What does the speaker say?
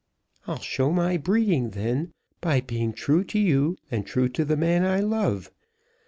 "I'll show my breeding, then, by being true to you, and true to the man I love.